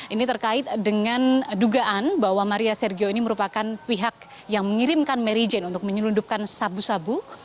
ini terkait dengan dugaan bahwa maria sergio ini merupakan pihak yang mengirimkan mary jane untuk menyelundupkan sabu sabu